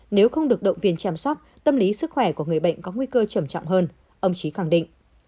nếu không được động viên chăm sóc tâm lý sức khỏe của người bệnh có nguy cơ trầm trọng hơn ông trí khẳng định